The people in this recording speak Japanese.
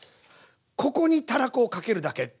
ここにたらこをかけるだけ！